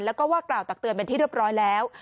แล้วก็ว่ากล่าวตักเตือนเป็นที่เรียบร้อยแล้ว